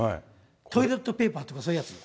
トイレットペーパーとか、そういうやつ？